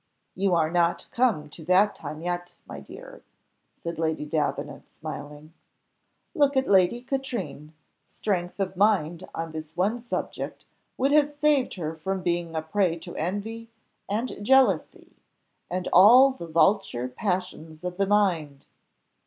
"You are not come to the time yet, my dear," said Lady Davenant smiling. "Look at Lady Katrine; strength of mind on this one subject would have saved her from being a prey to envy, and jealousy, and all the vulture passions of the mind.